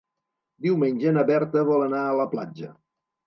Diumenge na Berta vol anar a la platja.